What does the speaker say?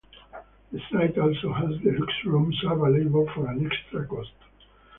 The site also has deluxe rooms available for an extra cost.